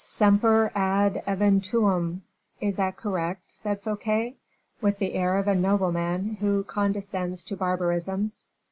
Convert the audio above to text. "Semper ad eventum. Is that correct?" said Fouquet, with the air of a nobleman who condescends to barbarisms.